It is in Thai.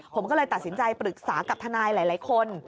ผมก็เลยตัดสินใจปรึกษากับทนายหลายคน